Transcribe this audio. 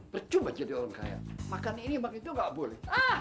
percuma jadi orang kaya makan ini makan itu gak boleh